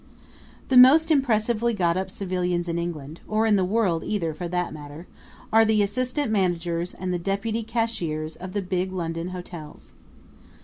The most impressively got up civilians in England or in the world, either, for that matter are the assistant managers and the deputy cashiers of the big London hotels.